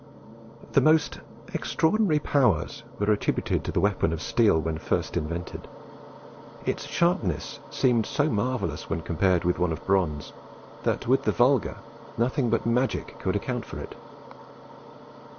The most extraordinary powers were attributed to the weapon of steel when first invented. Its sharpness seemed so marvellous when compared with one of bronze, that with the vulgar nothing but magic could account for it.